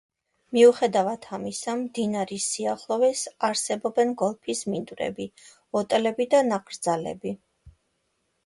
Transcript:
მიუხედავად ამისა მდინარის სიახლოვეს არსებობენ გოლფის მინდვრები, ოტელები და ნაკრძალები.